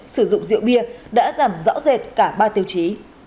sử dụng rượu bia đã giảm rõ rệt cả ba tiêu chí